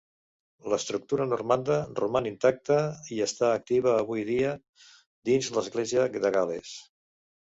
L'estructura normanda roman intacta i està activa avui dia dins l'Església de Gal·les.